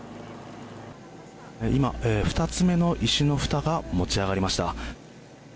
今、２つめの石のふたが持ち上がりました。